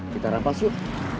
kita rampas yuk